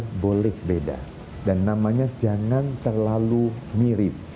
ini boleh beda dan namanya jangan terlalu mirip